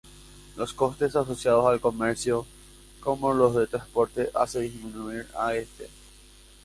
Los costes asociados al comercio, como los del transportes hace disminuir este.